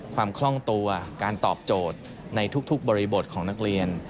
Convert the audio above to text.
คล่องตัวการตอบโจทย์ในทุกบริบทของนักเรียน